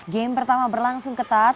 game pertama berlangsung ketat